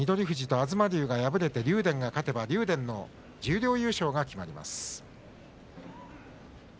富士と東龍が敗れて竜電が勝てば竜電の十両優勝が決まります。